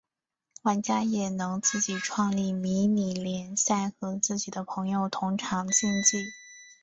玩家也能自己创立迷你联赛和自己的朋友同场竞技。